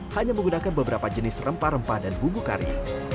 hanya menggunakan beberapa jenis rempah rempah dan bumbu kari